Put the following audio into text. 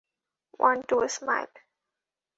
One two smile!